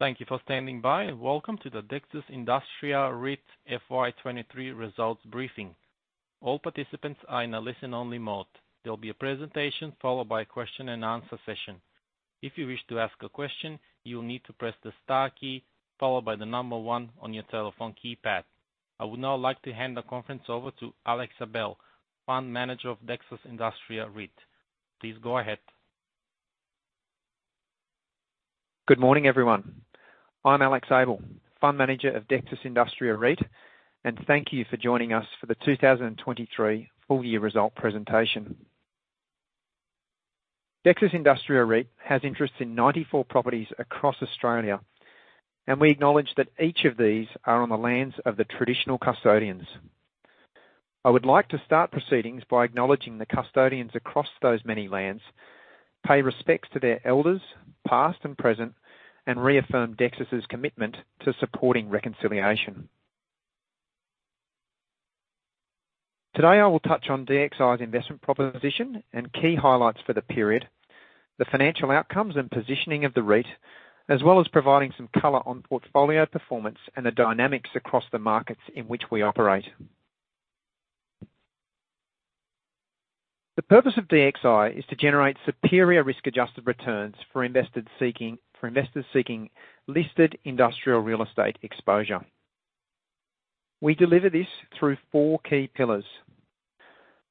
Thank you for standing by, and welcome to the Dexus Industria REIT FY23 Results Briefing. All participants are in a listen-only mode. There'll be a presentation followed by a question and answer session. If you wish to ask a question, you'll need to press the star key, followed by the number one on your telephone keypad. I would now like to hand the conference over to Alex Abell, Fund Manager of Dexus Industria REIT. Please go ahead. Good morning, everyone. I'm Alex Abell, Fund Manager of Dexus Industria REIT, thank you for joining us for the 2023 full year result presentation. Dexus Industria REIT has interests in 94 properties across Australia, we acknowledge that each of these are on the lands of the traditional custodians. I would like to start proceedings by acknowledging the custodians across those many lands, pay respects to their elders, past and present, and reaffirm Dexus's commitment to supporting reconciliation. Today, I will touch on DXI's investment proposition and key highlights for the period, the financial outcomes and positioning of the REIT, as well as providing some color on portfolio performance and the dynamics across the markets in which we operate. The purpose of DXI is to generate superior risk-adjusted returns for investors seeking listed industrial real estate exposure. We deliver this through four key pillars.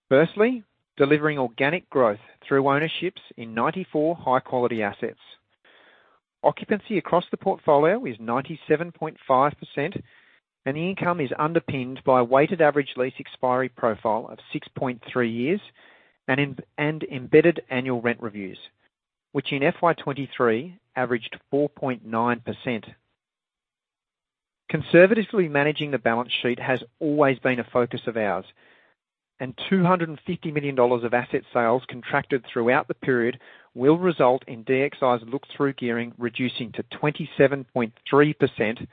Firstly, delivering organic growth through ownerships in 94 high-quality assets. Occupancy across the portfolio is 97.5%, and the income is underpinned by a weighted average lease expiry profile of 6.3 years and embedded annual rent reviews, which in FY23 averaged 4.9%. Conservatively managing the balance sheet has always been a focus of ours, 250 million dollars of asset sales contracted throughout the period will result in DXI's look-through gearing, reducing to 27.3%,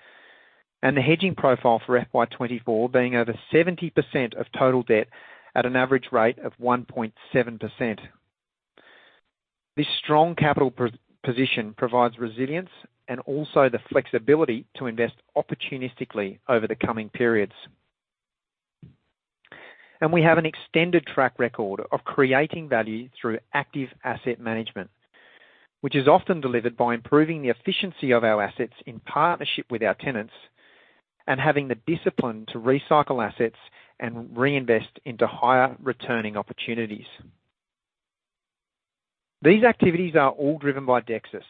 and the hedging profile for FY24 being over 70% of total debt at an average rate of 1.7%. This strong capital position provides resilience and also the flexibility to invest opportunistically over the coming periods. We have an extended track record of creating value through active asset management, which is often delivered by improving the efficiency of our assets in partnership with our tenants, and having the discipline to recycle assets and reinvest into higher returning opportunities. These activities are all driven by Dexus,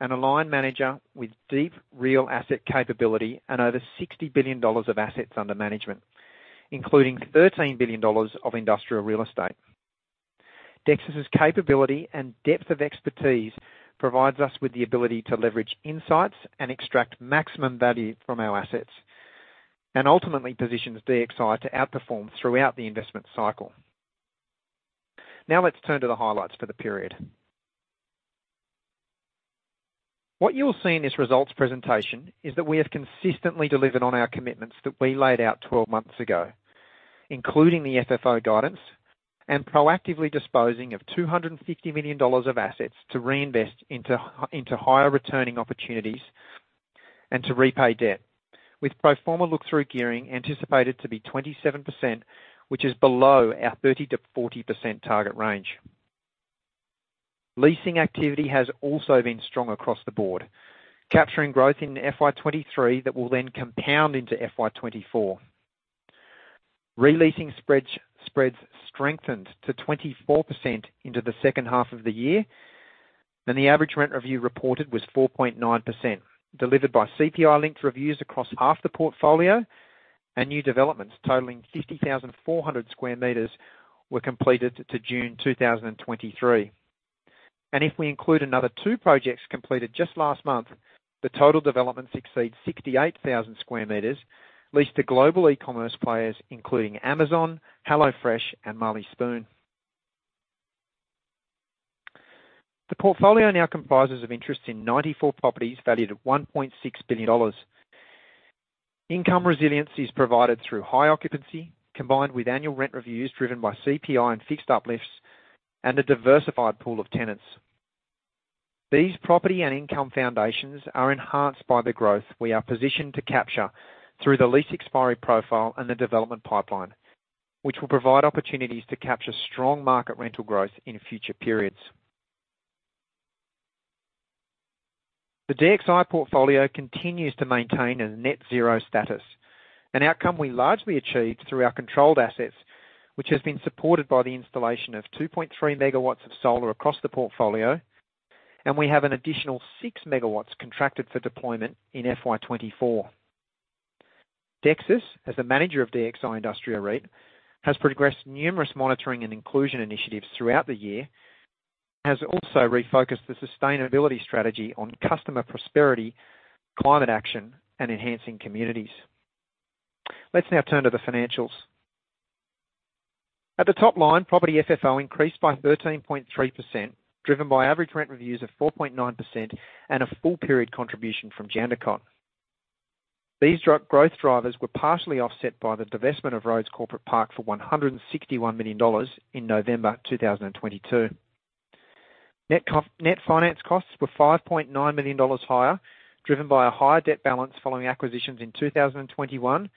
an aligned manager with deep, real asset capability and over 60 billion dollars of assets under management, including 13 billion dollars of industrial real estate. Dexus's capability and depth of expertise provides us with the ability to leverage insights and extract maximum value from our assets, and ultimately positions DXI to outperform throughout the investment cycle. Now, let's turn to the highlights for the period. What you'll see in this results presentation is that we have consistently delivered on our commitments that we laid out 12 months ago, including the FFO guidance and proactively disposing of 250 million dollars of assets to reinvest into higher returning opportunities and to repay debt. With pro forma look-through gearing anticipated to be 27%, which is below our 30%-40% target range. Leasing activity has also been strong across the board, capturing growth in FY23 that will then compound into FY24. Re-leasing spreads strengthened to 24% into the second half of the year, and the average rent review reported was 4.9%, delivered by CPI-linked reviews across half the portfolio, and new developments totaling 50,400 square meters were completed to June 2023. If we include another two projects completed just last month, the total developments exceed 68,000 square meters, leased to global e-commerce players, including Amazon, HelloFresh, and Marley Spoon. The portfolio now comprises of interest in 94 properties, valued at 1.6 billion dollars. Income resilience is provided through high occupancy, combined with annual rent reviews, driven by CPI and fixed uplifts, and a diversified pool of tenants. These property and income foundations are enhanced by the growth we are positioned to capture through the lease expiry profile and the development pipeline, which will provide opportunities to capture strong market rental growth in future periods. The DXI portfolio continues to maintain a net zero status, an outcome we largely achieved through our controlled assets, which has been supported by the installation of 2.3 megawatts of solar across the portfolio, and we have an additional 6 megawatts contracted for deployment in FY24. Dexus, as the manager of DXI Industrial REIT, has progressed numerous monitoring and inclusion initiatives throughout the year, has also refocused the sustainability strategy on customer prosperity, climate action, and enhancing communities. Let's now turn to the financials. At the top line, property FFO increased by 13.3%, driven by average rent reviews of 4.9% and a full period contribution from Jandakot. These growth drivers were partially offset by the divestment of Rhodes Corporate Park for 161 million dollars in November 2022. Net finance costs were $5.9 million higher, driven by a higher debt balance following acquisitions in 2021,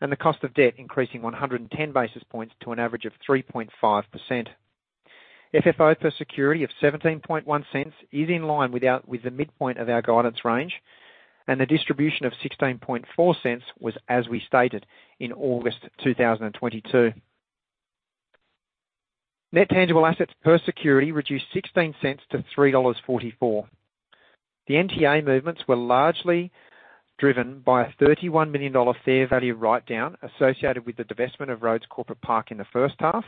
and the cost of debt increasing 110 basis points to an average of 3.5%. FFO per security of $0.171 is in line with our, with the midpoint of our guidance range, and the distribution of $0.164 was as we stated in August 2022. Net tangible assets per security reduced $0.16 to $3.44. The NTA movements were largely driven by a $31 million fair value write-down associated with the divestment of Rhodes Corporate Park in the first half,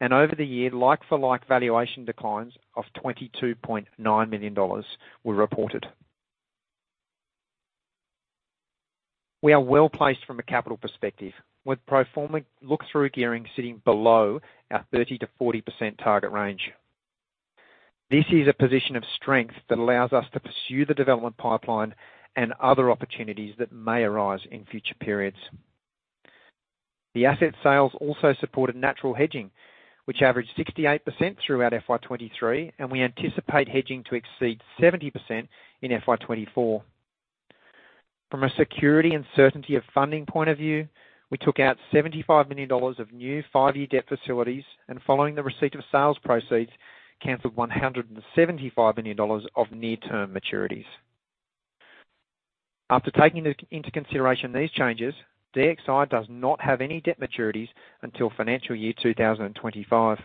and over the year, like-for-like valuation declines of $22.9 million were reported. We are well-placed from a capital perspective, with pro forma look-through gearing sitting below our 30%-40% target range. This is a position of strength that allows us to pursue the development pipeline and other opportunities that may arise in future periods. The asset sales also supported natural hedging, which averaged 68% throughout FY23, and we anticipate hedging to exceed 70% in FY24. From a security and certainty of funding point of view, we took out 75 million dollars of new five-year debt facilities, and following the receipt of sales proceeds, canceled 175 million dollars of near-term maturities. After taking into consideration these changes, DXI does not have any debt maturities until financial year 2025.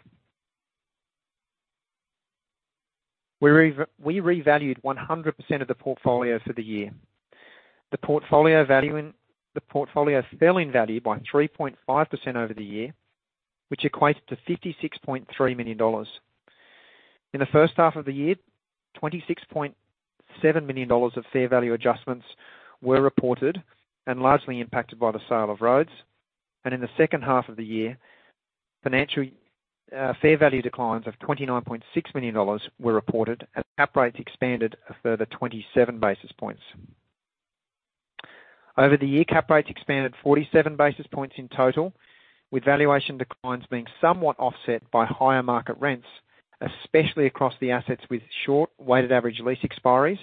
We revalued 100% of the portfolio for the year. The portfolio fell in value by 3.5% over the year, which equates to 56.3 million dollars. In the first half of the year, 26.7 million dollars of fair value adjustments were reported and largely impacted by the sale of Rhodes. In the second half of the year, financial fair value declines of 29.6 million dollars were reported and cap rates expanded a further 27 basis points. Over the year, cap rates expanded 47 basis points in total, with valuation declines being somewhat offset by higher market rents, especially across the assets with short weighted average lease expiries,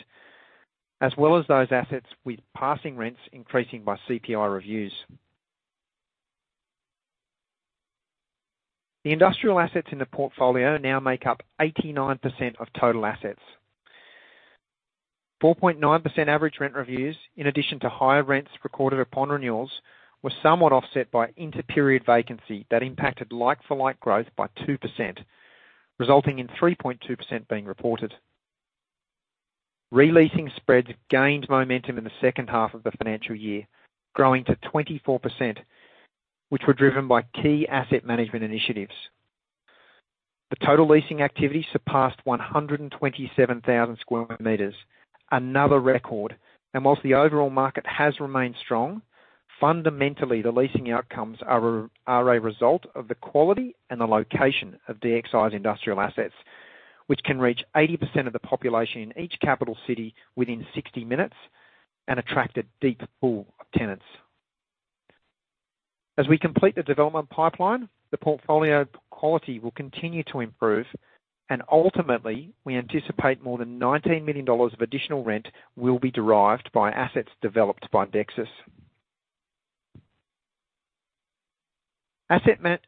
as well as those assets with passing rents increasing by CPI reviews. The industrial assets in the portfolio now make up 89% of total assets. 4.9% average rent reviews, in addition to higher rents recorded upon renewals, were somewhat offset by inter-period vacancy that impacted like-for-like growth by 2%, resulting in 3.2% being reported. Re-leasing spreads gained momentum in the second half of the financial year, growing to 24%, which were driven by key asset management initiatives. The total leasing activity surpassed 127,000 square meters, another record, whilst the overall market has remained strong, fundamentally, the leasing outcomes are a result of the quality and the location of DXI's industrial assets, which can reach 80% of the population in each capital city within 60 minutes and attract a deep pool of tenants. As we complete the development pipeline, the portfolio quality will continue to improve, ultimately, we anticipate more than $19 million of additional rent will be derived by assets developed by Dexus.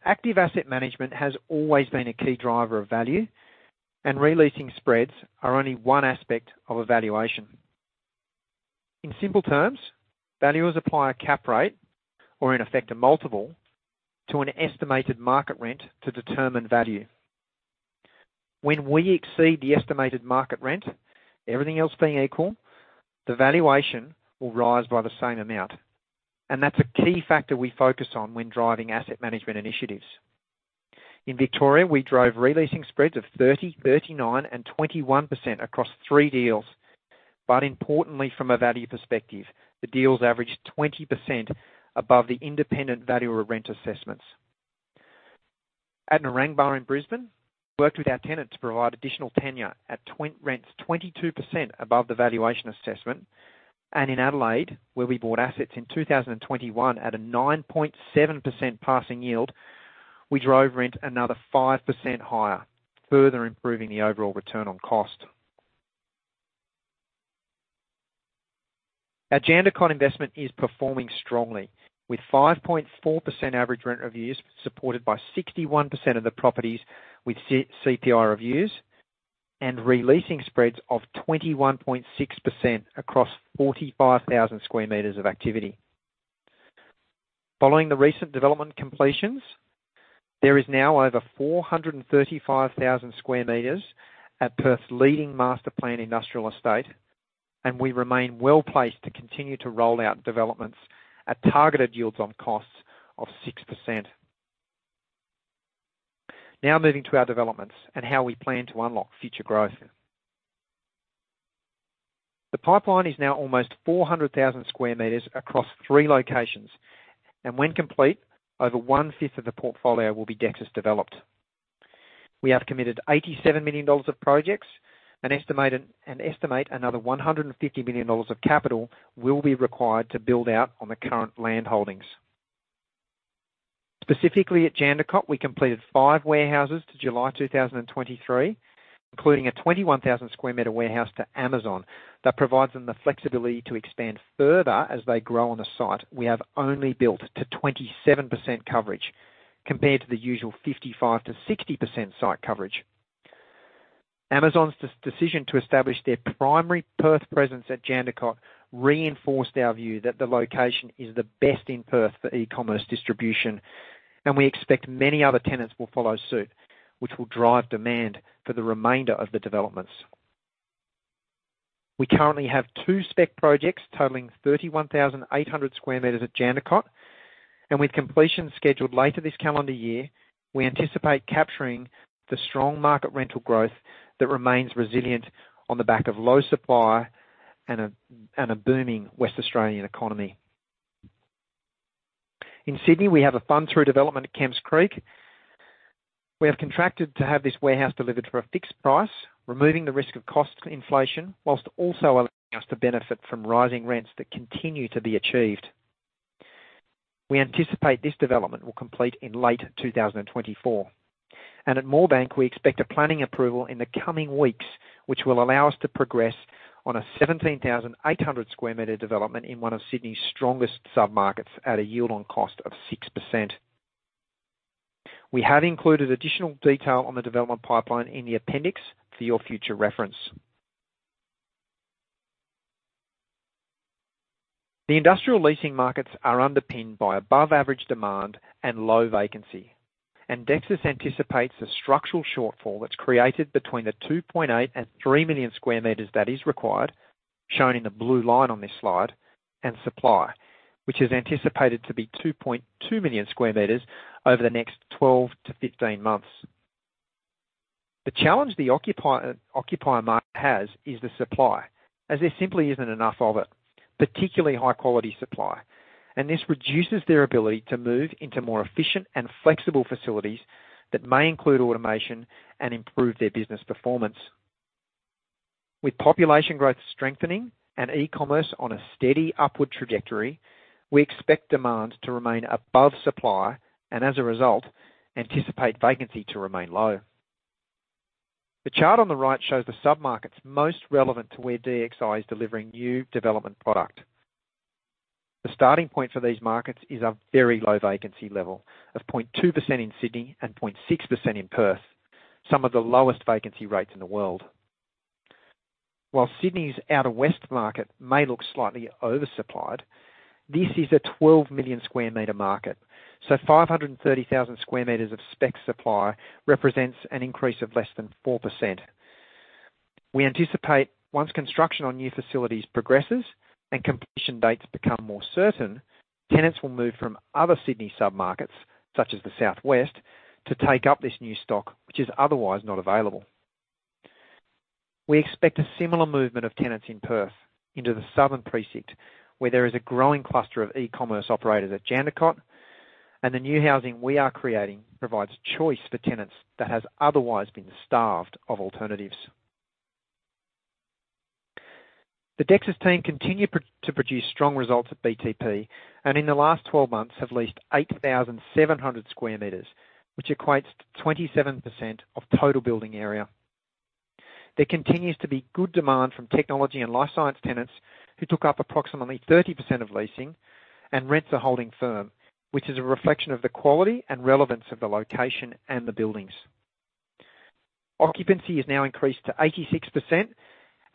Active asset management has always been a key driver of value, re-leasing spreads are only one aspect of a valuation. In simple terms, valuers apply a cap rate, or in effect, a multiple, to an estimated market rent to determine value. When we exceed the estimated market rent, everything else being equal, the valuation will rise by the same amount, that's a key factor we focus on when driving asset management initiatives. In Victoria, we drove re-leasing spreads of 30%, 39%, and 21% across three deals, importantly, from a value perspective, the deals averaged 20% above the independent valuer rent assessments. At Narangba, in Brisbane, we worked with our tenants to provide additional tenure at rents 22% above the valuation assessment. In Adelaide, where we bought assets in 2021 at a 9.7% passing yield, we drove rent another 5% higher, further improving the overall return on cost. Our Jandakot investment is performing strongly, with 5.4% average rent reviews, supported by 61% of the properties with CPI reviews and re-leasing spreads of 21.6% across 45,000 square meters of activity. Following the recent development completions, there is now over 435,000 square meters at Perth's leading master plan industrial estate, and we remain well-placed to continue to roll out developments at targeted yields on costs of 6%. Now, moving to our developments and how we plan to unlock future growth. The pipeline is now almost 400,000 square meters across three locations, and when complete, over one-fifth of the portfolio will be Dexus developed. We have committed 87 million dollars of projects, another 150 million dollars of capital will be required to build out on the current land holdings. Specifically at Jandakot, we completed five warehouses to July 2023, including a 21,000 square meter warehouse to Amazon, that provides them the flexibility to expand further as they grow on the site. We have only built to 27% coverage compared to the usual 55%-60% site coverage. Amazon's decision to establish their primary Perth presence at Jandakot reinforced our view that the location is the best in Perth for e-commerce distribution, and we expect many other tenants will follow suit, which will drive demand for the remainder of the developments. We currently have two spec projects totaling 31,800 square meters at Jandakot, and with completion scheduled later this calendar year, we anticipate capturing the strong market rental growth that remains resilient on the back of low supply and a booming West Australian economy. In Sydney, we have a fund-through development at Kemps Creek. We have contracted to have this warehouse delivered for a fixed price, removing the risk of cost inflation, whilst also allowing us to benefit from rising rents that continue to be achieved. We anticipate this development will complete in late 2024. At Moorebank, we expect a planning approval in the coming weeks, which will allow us to progress on a 17,800 square meter development in one of Sydney's strongest submarkets at a yield on cost of 6%. We have included additional detail on the development pipeline in the appendix for your future reference. The industrial leasing markets are underpinned by above average demand and low vacancy. Dexus anticipates a structural shortfall that's created between the 2.8 million and 3 million square meters that is required, shown in the blue line on this slide, and supply, which is anticipated to be 2.2 million square meters over the next 12 to 15 months. The challenge the occupier market has is the supply, as there simply isn't enough of it, particularly high quality supply. This reduces their ability to move into more efficient and flexible facilities that may include automation and improve their business performance. With population growth strengthening and e-commerce on a steady upward trajectory, we expect demand to remain above supply. As a result, anticipate vacancy to remain low. The chart on the right shows the submarkets most relevant to where DXI is delivering new development product. The starting point for these markets is a very low vacancy level of 0.2% in Sydney and 0.6% in Perth. Some of the lowest vacancy rates in the world. While Sydney's outer west market may look slightly oversupplied, this is a 12 million sq m market, so 530,000 sq m of spec supply represents an increase of less than 4%. We anticipate once construction on new facilities progresses and completion dates become more certain, tenants will move from other Sydney submarkets, such as the Southwest, to take up this new stock, which is otherwise not available. We expect a similar movement of tenants in Perth into the southern precinct, where there is a growing cluster of e-commerce operators at Jandakot, and the new housing we are creating provides choice for tenants that has otherwise been starved of alternatives. The Dexus team continue to produce strong results at BTP, and in the last 12 months have leased 8,700 sq m, which equates to 27% of total building area. There continues to be good demand from technology and life science tenants, who took up approximately 30% of leasing. Rents are holding firm, which is a reflection of the quality and relevance of the location and the buildings. Occupancy is now increased to 86%.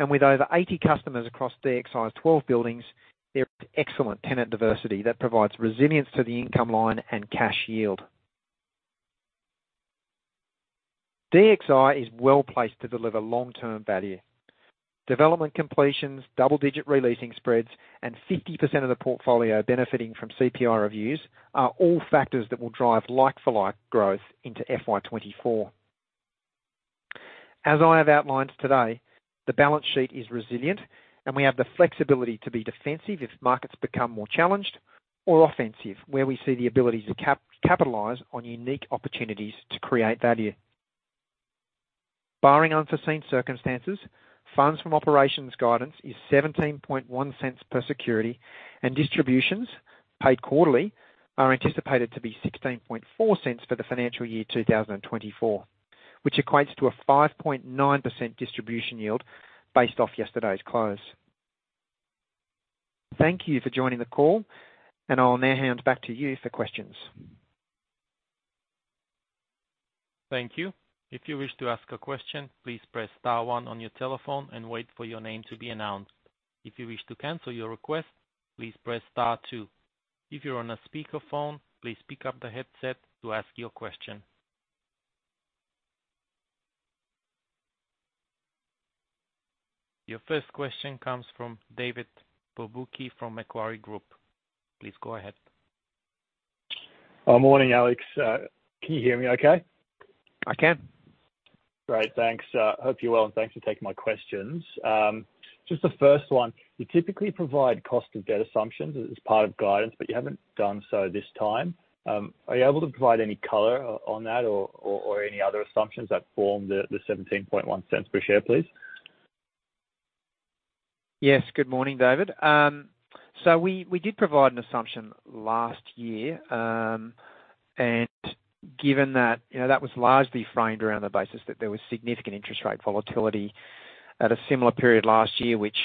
With over 80 customers across DXI's 12 buildings, there is excellent tenant diversity that provides resilience to the income line and cash yield. DXI is well placed to deliver long-term value. Development completions, double-digit re-leasing spreads, 50% of the portfolio benefiting from CPI reviews are all factors that will drive like-for-like growth into FY24. As I have outlined today, the balance sheet is resilient. We have the flexibility to be defensive if markets become more challenged or offensive, where we see the ability to capitalize on unique opportunities to create value. Barring unforeseen circumstances, funds from operations guidance is 0.171 per security, Distributions paid quarterly are anticipated to be 0.164 for the financial year 2024, which equates to a 5.9% distribution yield based off yesterday's close. Thank you for joining the call, and I'll now hand back to you for questions. Thank you. If you wish to ask a question, please press star one on your telephone and wait for your name to be announced. If you wish to cancel your request, please press star two. If you're on a speakerphone, please pick up the headset to ask your question. Your first question comes from David Pobucchi from Macquarie Group. Please go ahead. Morning, Alex. Can you hear me okay? I can. Great, thanks. Hope you're well, and thanks for taking my questions. Just the first one: you typically provide cost of debt assumptions as part of guidance, but you haven't done so this time. Are you able to provide any color on that or any other assumptions that form the 0.171 per share, please? Yes, good morning, David. We did provide an assumption last year, given that, you know, that was largely framed around the basis that there was significant interest rate volatility at a similar period last year, which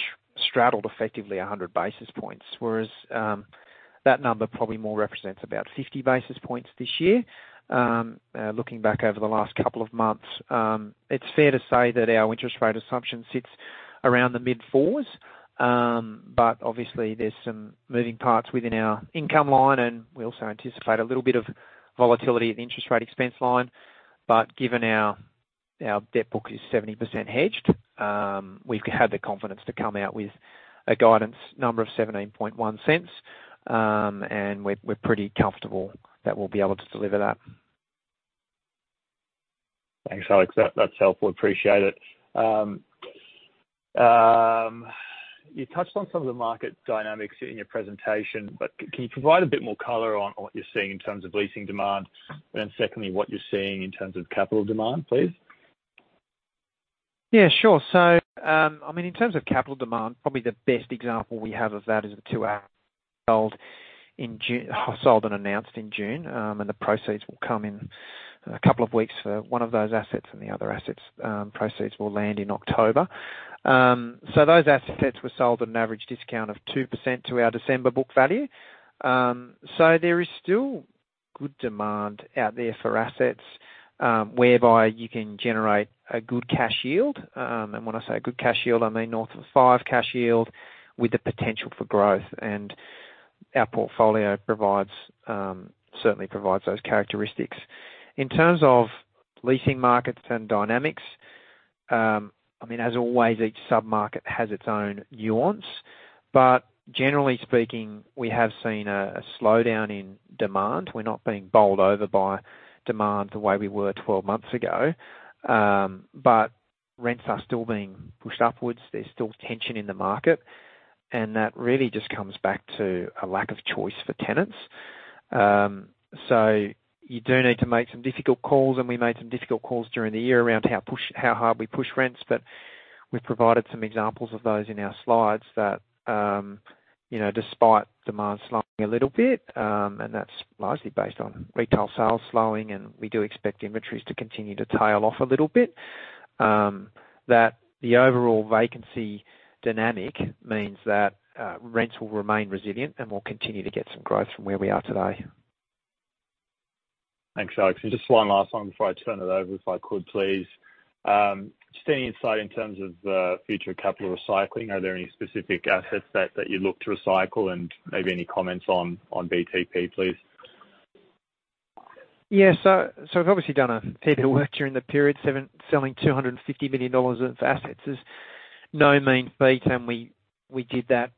straddled effectively 100 basis points. Whereas, that number probably more represents about 50 basis points this year. Looking back over the last couple of months, it's fair to say that our interest rate assumption sits around the mid fours. Obviously there's some moving parts within our income line, and we also anticipate a little bit of volatility in the interest rate expense line. Given our, our debt book is 70% hedged, we've had the confidence to come out with a guidance number of 0.171. We're pretty comfortable that we'll be able to deliver that. Thanks, Alex. That's helpful. Appreciate it. You touched on some of the market dynamics in your presentation. Can you provide a bit more color on what you're seeing in terms of leasing demand? Secondly, what you're seeing in terms of capital demand, please. Yeah, sure. I mean, in terms of capital demand, probably the best example we have of that is the 2 in June sold and announced in June, and the proceeds will come in 2 weeks for one of those assets, and the other assets' proceeds will land in October. Those assets were sold at an average discount of 2% to our December book value. There is still good demand out there for assets whereby you can generate a good cash yield. When I say a good cash yield, I mean north of 5 cash yield with the potential for growth. Our portfolio provides, certainly provides those characteristics. In terms of leasing markets and dynamics, I mean, as always, each sub-market has its own nuance, but generally speaking, we have seen a, a slowdown in demand. We're not being bowled over by demand the way we were 12 months ago, but rents are still being pushed upwards. There's still tension in the market, and that really just comes back to a lack of choice for tenants. You do need to make some difficult calls, and we made some difficult calls during the year around how hard we push rents, but we've provided some examples of those in our slides that, you know, despite demand slowing a little bit, and that's largely based on retail sales slowing, and we do expect inventories to continue to tail off a little bit, that the overall vacancy dynamic means that rents will remain resilient, and we'll continue to get some growth from where we are today. Thanks, Alex. Just one last one before I turn it over, if I could, please. Just any insight in terms of future capital recycling? Are there any specific assets that, that you look to recycle? Maybe any comments on, on BTP, please? Yeah. We've obviously done a fair bit of work during the period, selling 250 million dollars worth of assets is no mean feat, and we did that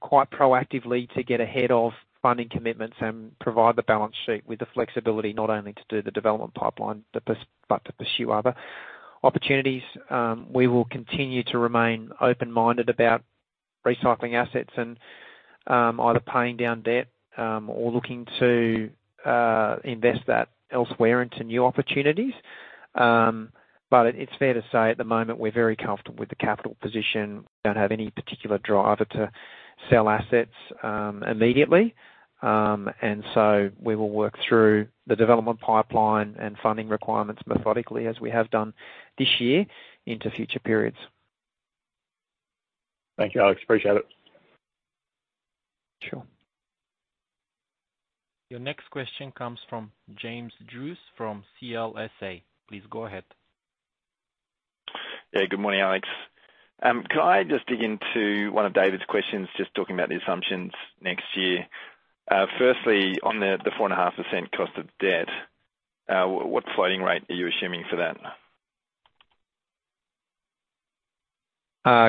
quite proactively to get ahead of funding commitments and provide the balance sheet with the flexibility, not only to do the development pipeline, but to pursue other opportunities. We will continue to remain open-minded about recycling assets and either paying down debt or looking to invest that elsewhere into new opportunities. But it's fair to say, at the moment, we're very comfortable with the capital position. We don't have any particular driver to sell assets immediately. We will work through the development pipeline and funding requirements methodically, as we have done this year, into future periods. Thank you, Alex. Appreciate it. Sure. Your next question comes from James Druce from CLSA. Please go ahead. Yeah, good morning, Alex. Can I just dig into one of David's questions, just talking about the assumptions next year? Firstly, on the 4.5% cost of debt, what floating rate are you assuming for that?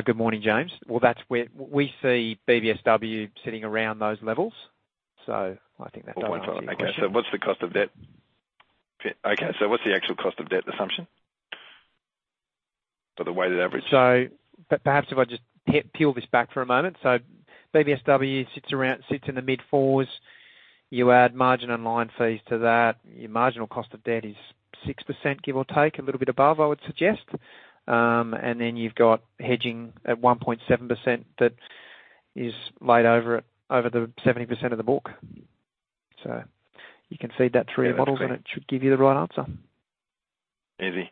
Good morning, James. Well, that's where we see BBSW sitting around those levels, so I think that does- Okay. What's the cost of debt? Okay, what's the actual cost of debt assumption for the weighted average? Perhaps if I just peel this back for a moment. BBSW sits around, sits in the mid 4s. You add margin and line fees to that, your marginal cost of debt is 6%, give or take, a little bit above, I would suggest. You've got hedging at 1.7% that is laid over, over the 70% of the book. You can feed that through your models. Yeah, that's great. It should give you the right answer. Easy.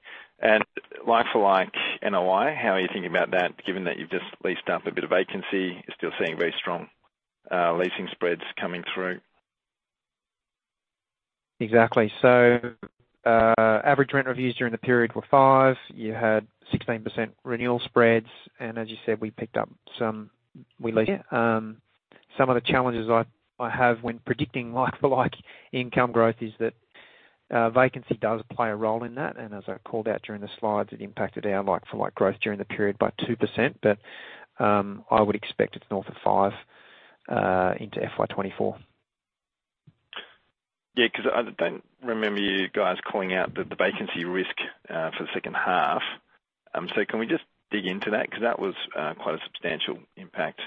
Like for like NOI, how are you thinking about that, given that you've just leased up a bit of vacancy, you're still seeing very strong, leasing spreads coming through? Exactly. Average rent reviews during the period were 5%. You had 16% renewal spreads, as you said, we picked up some, we leased it. Some of the challenges I, I have when predicting like for like income growth is that vacancy does play a role in that, as I called out during the slides, it impacted our like for like growth during the period by 2%. I would expect it's north of 5% into FY24. Yeah, because I don't remember you guys calling out that the vacancy risk, for the second half. Can we just dig into that? Because that was quite a substantial impact.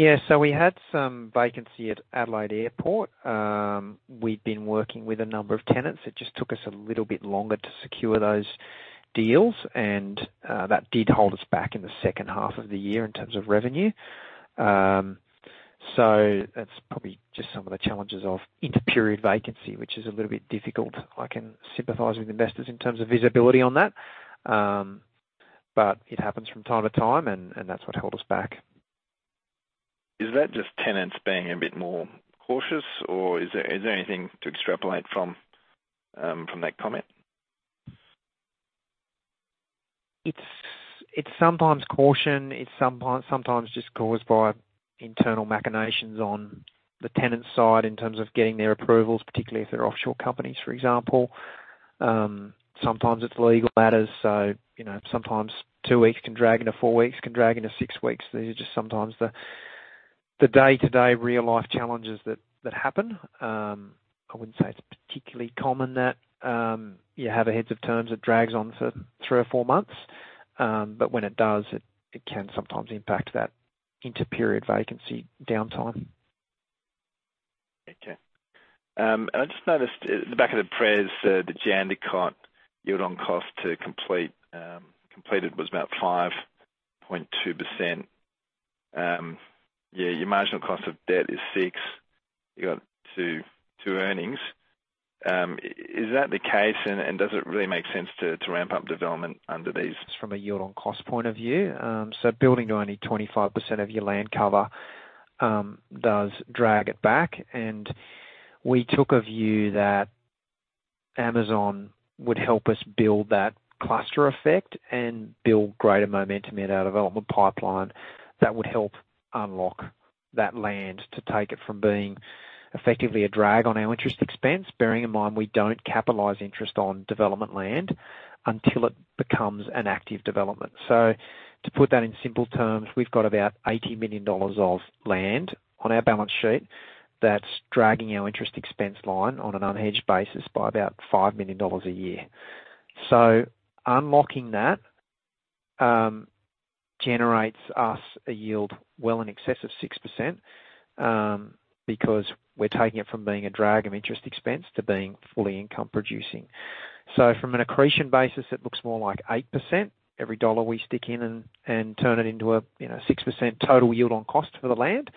Yeah. We had some vacancy at Adelaide Airport. We'd been working with a number of tenants. It just took us a little bit longer to secure those deals, and that did hold us back in the second half of the year in terms of revenue. That's probably just some of the challenges of inter-period vacancy, which is a little bit difficult. I can sympathize with investors in terms of visibility on that. It happens from time to time, and that's what held us back. Is that just tenants being a bit more cautious, or is there, is there anything to extrapolate from, from that comment? It's sometimes caution, it's sometimes just caused by internal machinations on the tenant side in terms of getting their approvals, particularly if they're offshore companies, for example. Sometimes it's legal matters, so, you know, sometimes 2 weeks can drag into 4 weeks, can drag into 6 weeks. These are just sometimes the day-to-day real-life challenges that happen. I wouldn't say it's particularly common that you have a heads of terms that drags on for 3 or 4 months. When it does, it can sometimes impact that inter-period vacancy downtime. Okay. And I just noticed at the back of the press, the Jandakot yield on cost to complete, completed was about 5.2%. Yeah, your marginal cost of debt is 6. You got 2, 2 earnings. Is that the case, and, and does it really make sense to, to ramp up development under these- From a yield on cost point of view, building to only 25% of your land cover does drag it back. We took a view that Amazon would help us build that cluster effect and build greater momentum in our development pipeline that would help unlock that land to take it from being effectively a drag on our interest expense. Bearing in mind, we don't capitalize interest on development land until it becomes an active development. To put that in simple terms, we've got about 80 million dollars of land on our balance sheet that's dragging our interest expense line on an unhedged basis by about 5 million dollars a year. Unlocking that generates us a yield well in excess of 6% because we're taking it from being a drag of interest expense to being fully income producing. From an accretion basis, it looks more like 8%. Every AUD we stick in and, and turn it into a, you know, 6% total yield on cost for the land.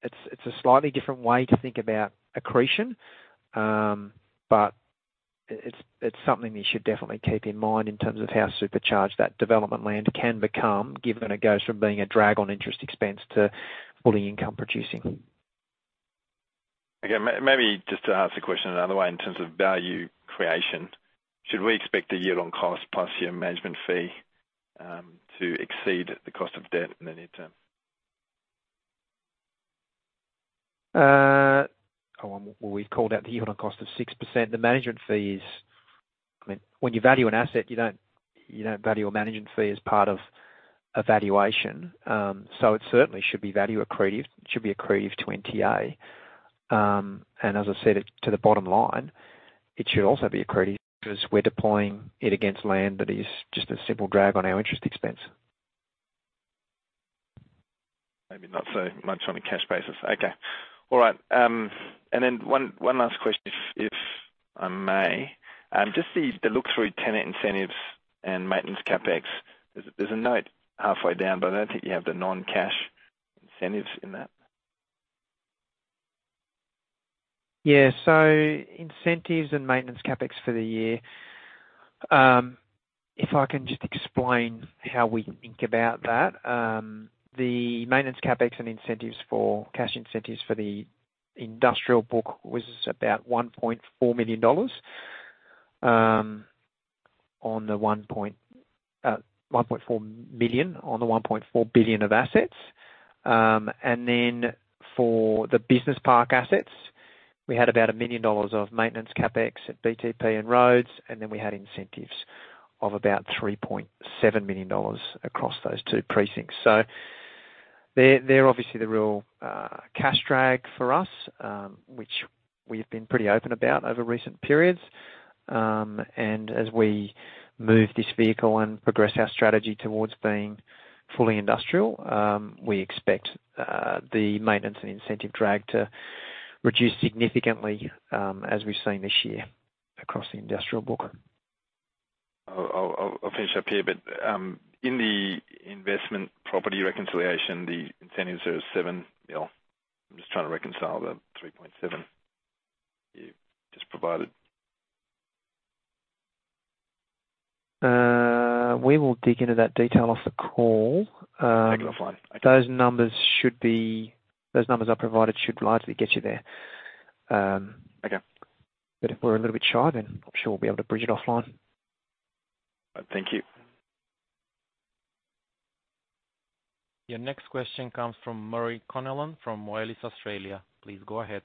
It's, it's a slightly different way to think about accretion, but it's, it's something you should definitely keep in mind in terms of how supercharged that development land can become, given it goes from being a drag on interest expense to fully income producing. Again, maybe just to ask the question another way, in terms of value creation, should we expect a yield on cost plus your management fee to exceed the cost of debt in the near term? Oh, well, we've called out the yield on cost of 6%. The management fee is. I mean, when you value an asset, you don't, you don't value a management fee as part of a valuation. It certainly should be value accretive. It should be accretive to NTA, and as I said it, to the bottom line, it should also be accretive because we're deploying it against land that is just a simple drag on our interest expense. Maybe not so much on a cash basis. Okay. All right, one, one last question, if, if I may. Just the, the look-through tenant incentives and maintenance CapEx. There's, there's a note halfway down, but I don't think you have the non-cash incentives in that. Yeah. Incentives and maintenance CapEx for the year. If I can just explain how we think about that. The maintenance CapEx and incentives for cash incentives for the industrial book was about 1.4 million dollars on the 1.4 billion of assets. Then for the business park assets, we had about 1 million dollars of maintenance CapEx at BTP and Rhodes, then we had incentives of about 3.7 million dollars across those two precincts. They're obviously the real cash drag for us, which we've been pretty open about over recent periods. As we move this vehicle and progress our strategy towards being fully industrial, we expect the maintenance and incentive drag to reduce significantly, as we've seen this year across the industrial book. I'll finish up here, but in the investment property reconciliation, the incentives are 7 million. I'm just trying to reconcile the 3.7 you just provided. We will dig into that detail off the call. Thank you. Those numbers I provided should likely get you there. Okay. If we're a little bit shy, then I'm sure we'll be able to bridge it offline. Thank you. Your next question comes from Murray Connellan, from Moelis Australia. Please go ahead.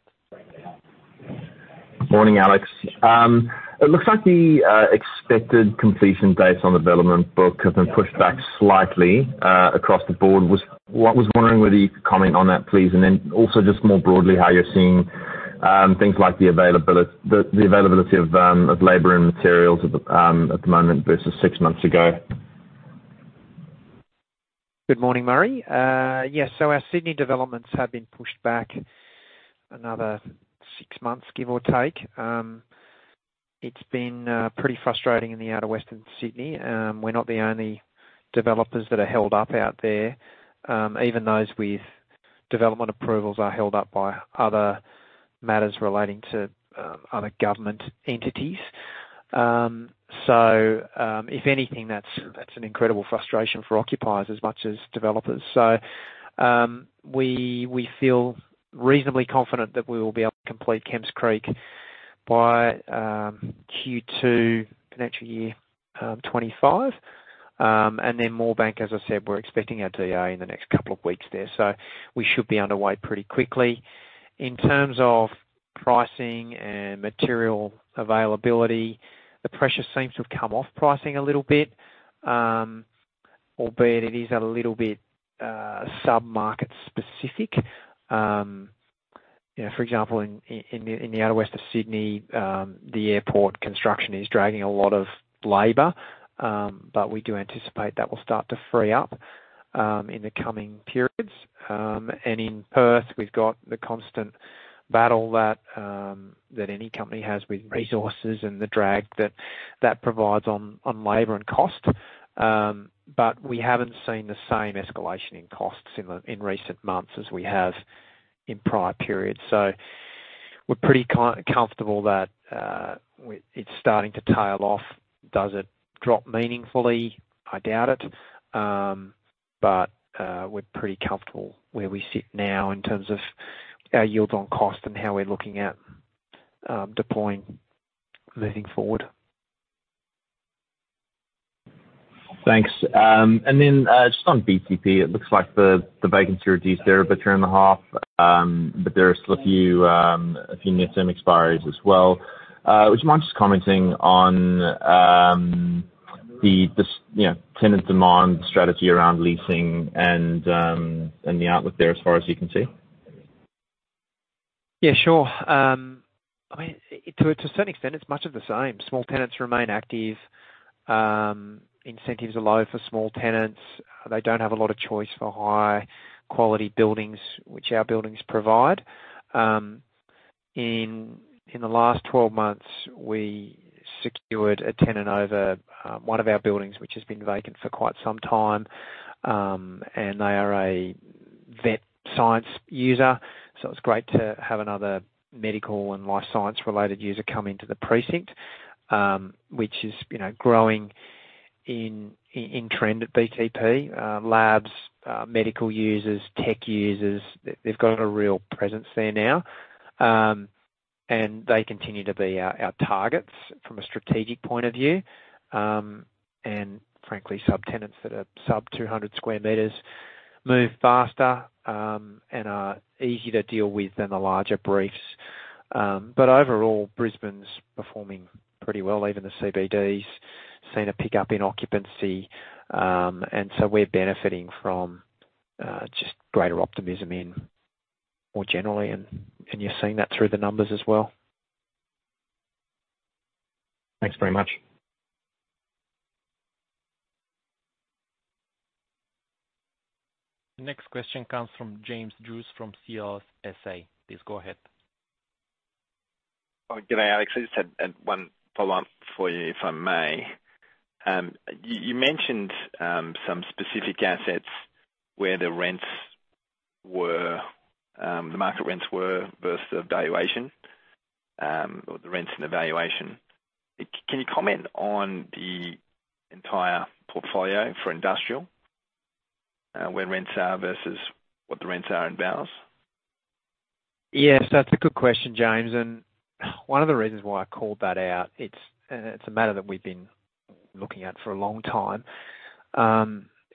Morning, Alex. It looks like the expected completion dates on the development book have been pushed back slightly across the board. I was wondering whether you could comment on that, please, and then also, just more broadly, how you're seeing... things like the availability, the, the availability of, of labor and materials at the at the moment versus six months ago. Good morning, Murray. Yes, so our Sydney developments have been pushed back another 6 months, give or take. It's been pretty frustrating in the outer western Sydney. We're not the only developers that are held up out there. Even those with development approvals are held up by other matters relating to other government entities. If anything, that's an incredible frustration for occupiers as much as developers. We feel reasonably confident that we will be able to complete Kemps Creek by Q2, financial year 2025. Moorebank, as I said, we're expecting our DA in the next couple of weeks there, so we should be underway pretty quickly. In terms of pricing and material availability, the pressure seems to have come off pricing a little bit, albeit it is a little bit submarket specific. You know, for example, in the outer west of Sydney, the airport construction is dragging a lot of labor, we do anticipate that will start to free up in the coming periods. In Perth, we've got the constant battle that any company has with resources and the drag that that provides on labor and cost. We haven't seen the same escalation in costs in recent months as we have in prior periods. We're pretty comfortable that it's starting to tail off. Does it drop meaningfully? I doubt it. We're pretty comfortable where we sit now in terms of our yield on cost and how we're looking at, deploying leading forward. Thanks. Just on BTP, it looks like the vacancy reduced there a bit, 3.5. There are still a few near-term expiries as well. Would you mind just commenting on the, you know, tenant demand strategy around leasing and the outlook there as far as you can see? Yeah, sure. I mean, to a certain extent, it's much of the same. Small tenants remain active. Incentives are low for small tenants. They don't have a lot of choice for high quality buildings, which our buildings provide. In the last 12 months, we secured a tenant over one of our buildings, which has been vacant for quite some time, and they are a vet science user, so it's great to have another medical and life science-related user come into the precinct, which is, you know, growing in trend at BTP. Labs, medical users, tech users, they've got a real presence there now. They continue to be our targets from a strategic point of view. Frankly, subtenants that are sub-200 square meters move faster, and are easier to deal with than the larger briefs. Overall, Brisbane's performing pretty well. Even the CBD's seen a pickup in occupancy, and so we're benefiting from just greater optimism in more generally, and, and you're seeing that through the numbers as well. Thanks very much. The next question comes from James Druce from CLSA. Please go ahead. Oh, goodday, Alex, I just had, had one follow-up for you, if I may. You mentioned, some specific assets where the rents were, the market rents were versus the valuation, or the rents and the valuation. Can you comment on the entire portfolio for industrial, where rents are versus what the rents are in balance? Yes, that's a good question, James, and one of the reasons why I called that out, it's a matter that we've been looking at for a long time,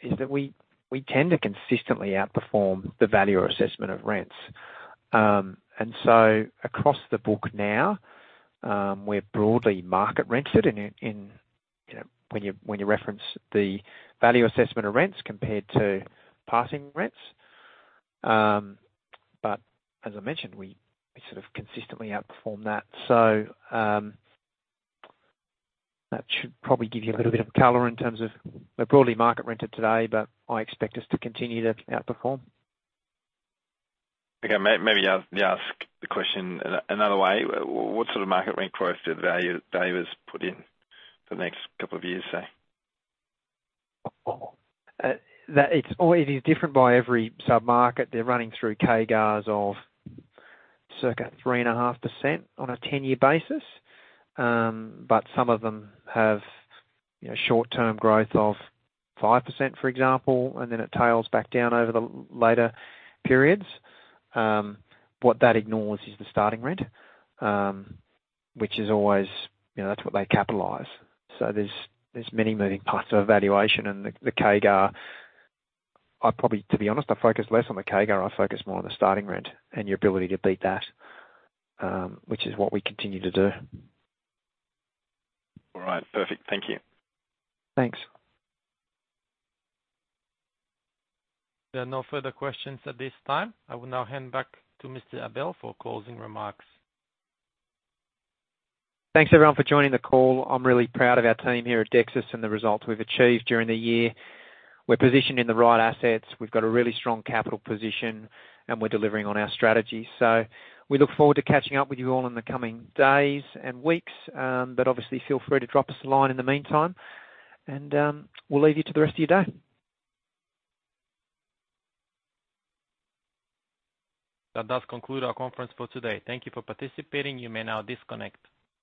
is that we, we tend to consistently outperform the value or assessment of rents. So across the book now, we're broadly market rented, and in, in, you know, when you, when you reference the value assessment of rents compared to passing rents. As I mentioned, we, we sort of consistently outperform that. That should probably give you a little bit of color in terms of we're broadly market rented today, but I expect us to continue to outperform. Okay, maybe I'll ask the question another way. What sort of market rent growth do valuers put in for the next couple of years, say? That it's always different by every submarket. They're running through CAGRs of circa 3.5% on a 10-year basis. But some of them have, you know, short-term growth of 5%, for example, and then it tails back down over the later periods. What that ignores is the starting rent, which is always, you know, that's what they capitalize. There's, there's many moving parts to a valuation and the, the CAGR, I probably, to be honest, I focus less on the CAGR, I focus more on the starting rent and your ability to beat that, which is what we continue to do. All right. Perfect. Thank you. Thanks. There are no further questions at this time. I will now hand back to Mr. Abell for closing remarks. Thanks, everyone, for joining the call. I'm really proud of our team here at Dexus and the results we've achieved during the year. We're positioned in the right assets, we've got a really strong capital position, and we're delivering on our strategy. We look forward to catching up with you all in the coming days and weeks. Obviously feel free to drop us a line in the meantime, and we'll leave you to the rest of your day. That does conclude our conference for today. Thank you for participating. You may now disconnect.